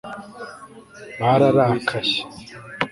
bararakaye